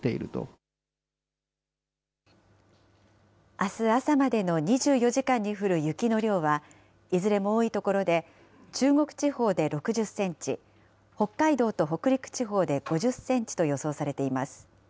あす朝までの２４時間に降る雪の量は、いずれも多い所で中国地方で６０センチ、北海道と北陸地方で５０センチと予想されています。